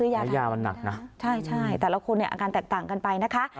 ยามันหนักนะใช่แต่ละคนเนี่ยอาการแตกต่างกันไปนะคะ